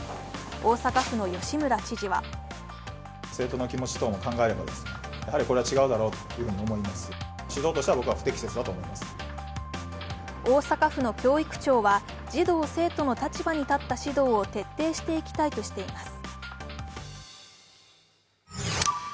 大阪府の吉村知事は大阪府の教育庁は児童・生徒の立場に立った指導を徹底していきたいとしています。